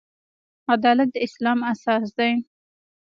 عدالت د اسلام اساس دی